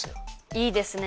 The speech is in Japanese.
いいですね！